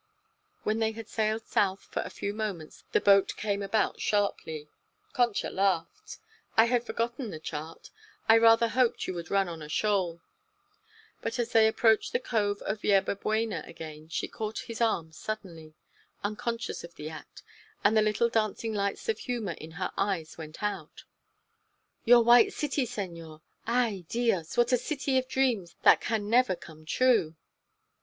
When they had sailed south for a few moments the boat came about sharply. Concha laughed. "I had forgotten the chart. I rather hoped you would run on a shoal." But as they approached the cove of Yerba Buena again she caught his arm suddenly, unconscious of the act, and the little dancing lights of humor in her eyes went out. "Your white city, senor! Ay, Dios! what a city of dreams that can never come true!"